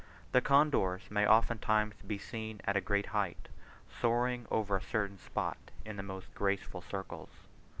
The condors may oftentimes be seen at a great height, soaring over a certain spot in the most graceful circles.